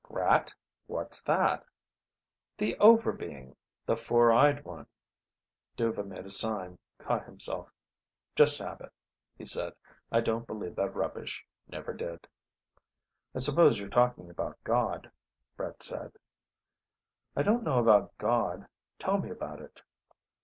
"Grat? What's that?" "The Over Being. The Four eyed One." Dhuva made a sign, caught himself. "Just habit," he said. "I don't believe that rubbish. Never did." "I suppose you're talking about God," Brett said. "I don't know about God. Tell me about it."